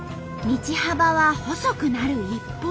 道幅は細くなる一方。